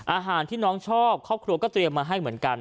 อาหารที่น้องชอบครอบครัวก็เตรียมมาให้เหมือนกัน